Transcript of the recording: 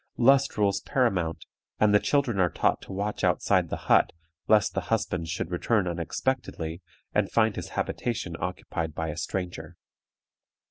Lust rules paramount, and the children are taught to watch outside the hut, lest the husband should return unexpectedly, and find his habitation occupied by a stranger.